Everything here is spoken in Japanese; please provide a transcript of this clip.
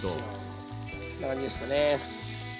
こんな感じですかね。